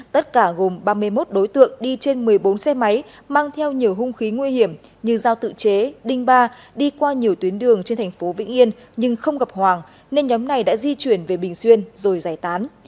tất cả gồm ba mươi một đối tượng đi trên một mươi bốn xe máy mang theo nhiều hung khí nguy hiểm như giao tự chế đinh ba đi qua nhiều tuyến đường trên thành phố vĩnh yên nhưng không gặp hoàng nên nhóm này đã di chuyển về bình xuyên rồi giải tán